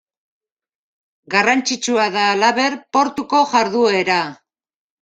Garrantzitsua da, halaber, portuko jarduera.